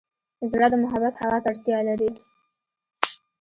زړه د محبت هوا ته اړتیا لري.